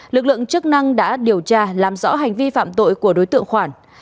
lực lượng chức năng đã điều tra làm rõ hành vi phạm tội của đối tượng khoản